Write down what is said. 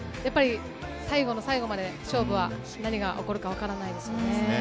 最後の最後まで何が起こるかわからないです。